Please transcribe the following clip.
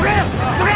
どけ！